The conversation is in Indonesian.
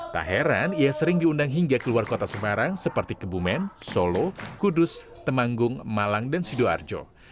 tak heran ia sering diundang hingga keluar kota semarang seperti kebumen solo kudus temanggung malang dan sidoarjo